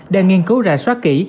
đang nghiên cứu ra xóa kỹ